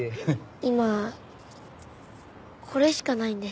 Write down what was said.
今これしかないんです。